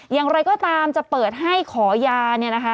อย่างไรก็ตามจะเปิดให้ขอยาเนี่ยนะคะ